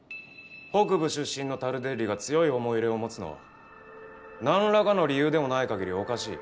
北部出身のタルデッリが強い思い入れを持つのは何らかの理由でもないかぎりおかしい。